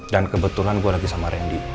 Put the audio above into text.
dan kebetulan gue lagi sama randy